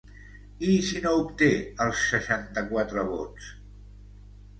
I si no obté els seixanta-quatre vots?